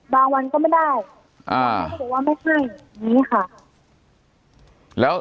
บางวันก็ไม่ได้แต่ว่าไม่ใช่อย่างนี้ค่ะ